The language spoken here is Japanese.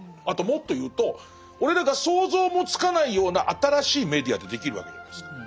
あともっと言うと俺らが想像もつかないような新しいメディアってできるわけじゃないですか。